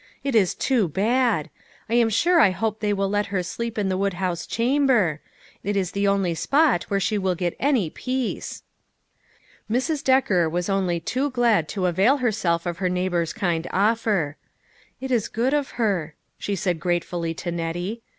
It is too bad ! I am sure I hope they will let her sleep in the woodhouse chamber. It is the only spot where she will get any peace." Mrs. Decker was only too glad to avail her self of her neighbor's kind offer. "It is good of her," she said gratefully to Nettie.